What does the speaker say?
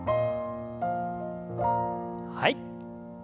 はい。